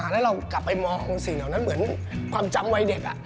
แล้วเรากลับไปมองสิ่งเหมือนความจำวัยเด็ก